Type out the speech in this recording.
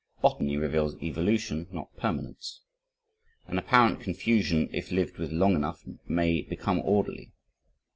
Botany reveals evolution not permanence. An apparent confusion if lived with long enough may become orderly.